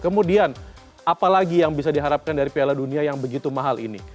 kemudian apalagi yang bisa diharapkan dari piala dunia yang begitu mahal ini